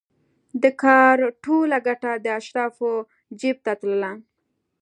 د کار ټوله ګټه د اشرافو جېب ته تلله.